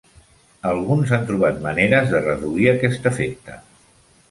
Alguns han trobat maneres de reduir aquest efecte.